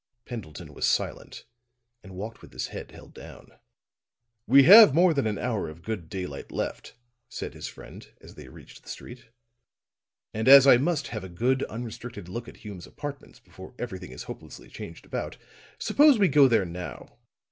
Pendleton was silent, and walked with his head held down. "We have more than an hour of good daylight left," said his friend, as they reached the street. "And as I must have a good unrestricted look at Hume's apartments before everything is hopelessly changed about, suppose we go there now.